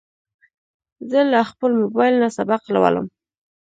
زه له خپل موبایل نه سبق لولم.